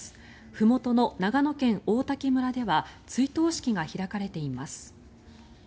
ふもとの長野県王滝村では追悼式が開かれています。